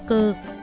là một đồng hồ